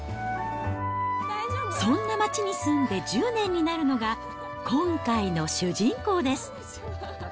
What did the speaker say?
そんな街に住んで１０年になるのが、今回の主人公です。